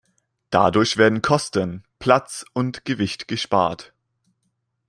Dadurch werden Kosten, Platz und Gewicht gespart.